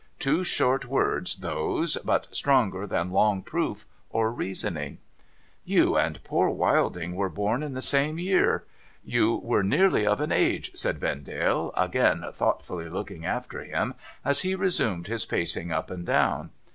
Two short words those, but stronger than long proof or reasoning.' ' You and poor Wilding were born in the same year. You were nearly of an age,' said Vendale, again thoughtfully looking after him as he resumed his pacing up and down.